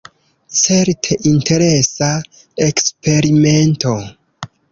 Certe interesa eksperimento.